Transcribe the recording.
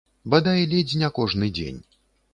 Бадай ледзь не кожны дзень.